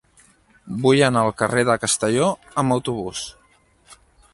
Vull anar al carrer de Castelló amb autobús.